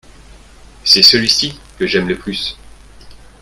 c'est celui-ci que j'aime le plus.